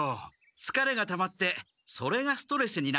つかれがたまってそれがストレスになってるんだな。